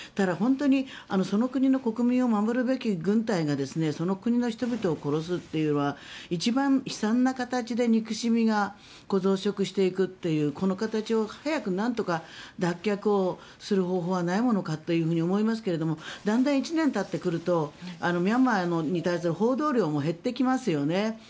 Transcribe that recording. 本当にその国の国民を守るべき軍隊がその国の人々を殺すというのは一番悲惨な形で憎しみが増殖していくというこの形を早くなんとか脱却をする方法はないものかというふうに思いますがだんだん１年たってくるとミャンマーに対する報道量も減ってきますよね。